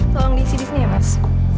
tolong diisi disini ya mas